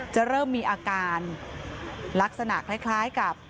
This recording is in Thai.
จะเริ่มมีอาการลักษณะคล้ายกับ